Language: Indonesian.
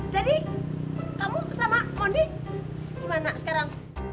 jadi kamu sama mondi gimana sekarang